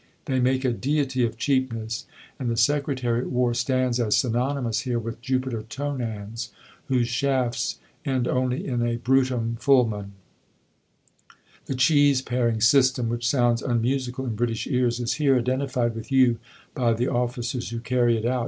They make a deity of cheapness, and the Secretary at War stands as synonymous here with Jupiter Tonans, whose shafts end only in a brutum fulmen. The cheese paring system, which sounds unmusical in British ears, is here identified with you by the officers who carry it out.